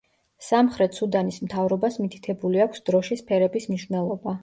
სამხრეთ სუდანის მთავრობას მითითებული აქვს დროშის ფერების მნიშვნელობა.